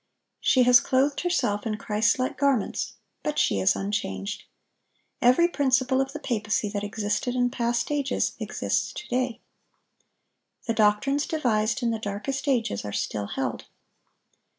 She has clothed herself in Christlike garments; but she is unchanged. Every principle of the papacy that existed in past ages exists to day. The doctrines devised in the darkest ages are still held.